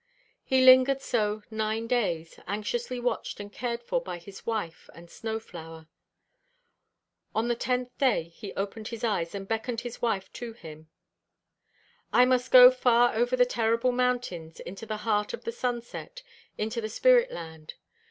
He lingered so nine days, anxiously watched and cared for by his wife and Snow flower. On the tenth day he opened his eyes and beckoned his wife to him. "I must go far over the terrible mountains, into the heart of the sunset, into the spirit land.